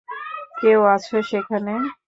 কেউ আছো সেখানে?